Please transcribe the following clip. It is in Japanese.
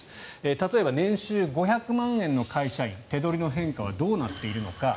例えば年収５００万円の会社員手取りの変化はどうなっているのか。